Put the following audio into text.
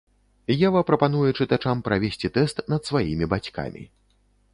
Ева прапануе чытачам правесці тэст над сваімі бацькамі.